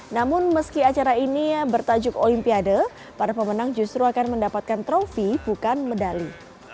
namun meski acara ini bertajuk olimpiade para pemenang justru akan mendapatkan trofi bukan medali